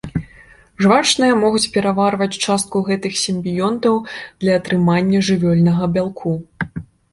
Жвачныя могуць пераварваць частку гэтых сімбіёнтаў для атрымання жывёльнага бялку.